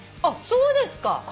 あっそうですか！？